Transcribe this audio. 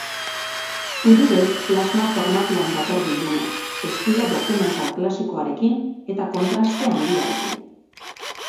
Zuri-beltz plasma formatuan dator bilduma, estilo dokumental klasikoarekin eta kontraste handiarekin.